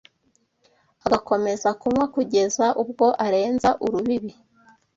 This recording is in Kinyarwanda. agakomeza kunywa, kugeza ubwo arenza urubibi,